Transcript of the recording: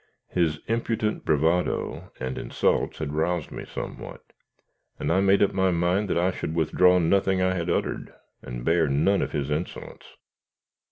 His impudent bravado and insults had roused me somewhat, and I made up my mind that I should withdraw nothing I had uttered, and bear none of his insolence.